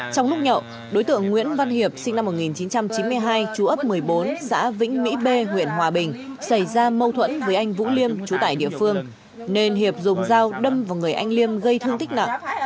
trong lúc nhậu đối tượng nguyễn văn hiệp sinh năm một nghìn chín trăm chín mươi hai chú ấp một mươi bốn xã vĩnh mỹ b huyện hòa bình xảy ra mâu thuẫn với anh vũ liêm chú tại địa phương nên hiệp dùng dao đâm vào người anh liêm gây thương tích nặng